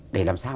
để làm sao